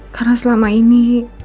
karena selama ini